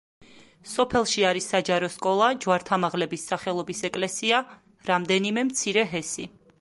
სოფელში არის საჯარო სკოლა, ჯვართამაღლების სახელობის ეკლესია, რამდენიმე მცირე ჰესი.